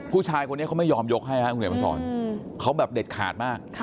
ผู้ชายคนนี้เขาไม่ยอมยกให้ฮะทางเนื้อประสาทเขาแบบเด็ดขาดมาก